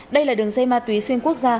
đây là đường dây ma túy xuyên quốc gia